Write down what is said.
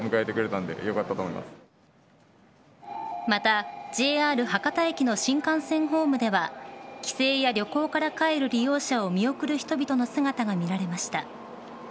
またＪＲ博多駅の新幹線ホームでは帰省や旅行から帰る利用者を見送る人々の姿が見られました。